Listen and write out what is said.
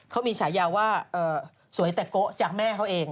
เขามีฉายาว่าสวยแต่โกะจากแม่เขาเอง